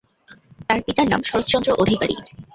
তার পিতার নাম শরৎচন্দ্র অধিকারী।